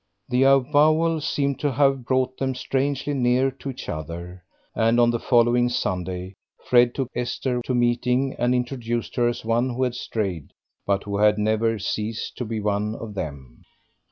The avowal seemed to have brought them strangely near to each other, and on the following Sunday Fred took Esther to meeting, and introduced her as one who had strayed, but who had never ceased to be one of them.